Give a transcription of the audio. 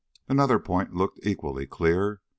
Another point looked equally clear.